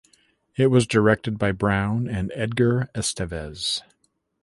It was directed by Brown and Edgar Esteves.